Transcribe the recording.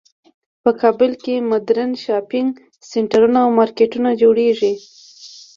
په کابل کې مدرن شاپینګ سینټرونه او مارکیټونه جوړیږی